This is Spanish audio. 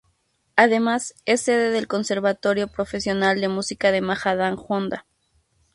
Además, es sede del Conservatorio Profesional de Música de Majadahonda.